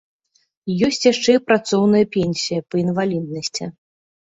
Ёсць яшчэ і працоўная пенсія па інваліднасці.